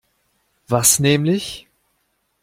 Was nämlich?